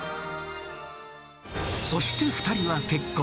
そして２人は結婚。